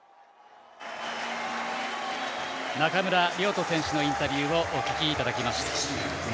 中村亮土選手のインタビューをお聞きいただきました。